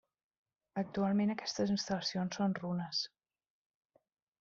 Actualment aquestes instal·lacions són runes.